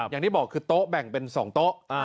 อย่างที่บอกคือโต๊ะแบ่งเป็น๒โต๊ะ